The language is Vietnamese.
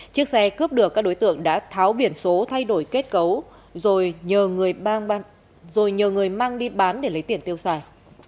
chiếc xe cướp được các đối tượng đã tháo biển số thay đổi kết cấu rồi nhờ người mang đi bán để lấy tiền tiêu xài